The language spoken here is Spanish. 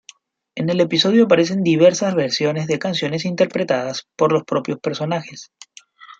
En el episodio aparecen diversas versiones de canciones interpretadas por los propios personajes.